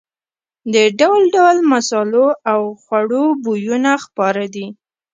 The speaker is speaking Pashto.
د ډول ډول مسالو او خوړو بویونه خپاره دي.